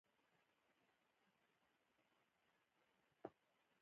دا دونیا پر اُمید ولاړه ده؛ مه نااميده کېږئ!